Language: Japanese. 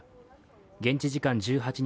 現地時間１８日